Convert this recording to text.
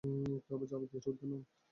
কেউ জবাবদিহির ঊর্ধ্বে নন।